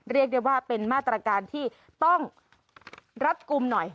เรียกได้ว่าเป็นมาตรการที่ต้องรัดกลุ่มหน่อย